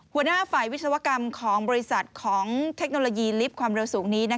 หัวหน้าฝ่ายวิศวกรรมของบริษัทของเทคโนโลยีลิฟต์ความเร็วสูงนี้